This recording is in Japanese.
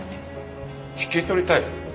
引き取りたい？